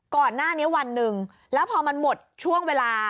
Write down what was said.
ก่อนหน้านี้วันหนึ่งแล้วพอมันหมดช่วงเวลา